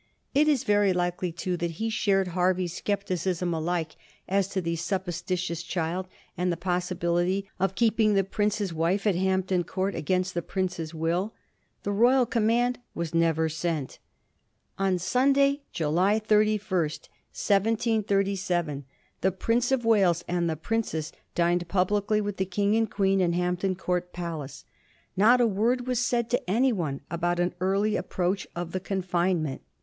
It is very likely, too, that he shared Hervey's scepticism alike as to the sup posititious child and the possibility of keeping the prince's wife at Hampton Court against the prince's will. The Royal command was never sent. On Sunday, July 31, 1737, the Prince of Wales and the princess dined publicly with the King and Queen in Hampton Court Palace. Not a word was said to any one about an early approach of the confinement.